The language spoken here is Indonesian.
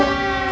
jalan jalan men